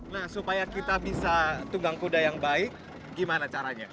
nah supaya kita bisa tunggang kuda yang baik gimana caranya